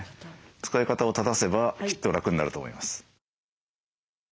使い方を正せばきっと楽になると思います。